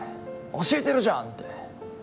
教えてるじゃんって。